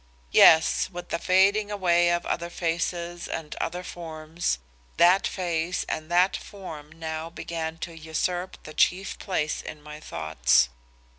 "Yes, with the fading away of other faces and other forms, that face and that form now began to usurp the chief place in my thoughts.